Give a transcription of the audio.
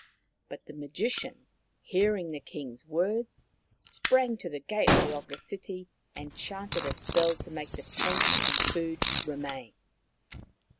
But the Magician, hearing the King's words, sprang to the gateway of the city and chanted a spell to make the paint and food remain.